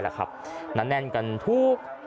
นั้นแน่นกันทุก